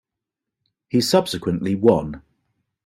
He subsequently won.